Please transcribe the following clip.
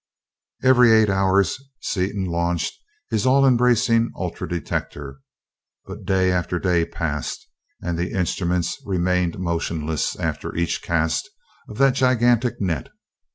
Every eight hours Seaton launched his all embracing ultra detector, but day after day passed and the instruments remained motionless after each cast of that gigantic net.